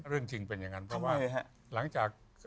เรื่องจริงเป็นอย่างนั้นเพราะว่าหลังจาก